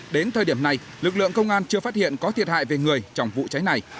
đến thời điểm này lực lượng công an chưa phát hiện có thiệt hại về người trong vụ cháy này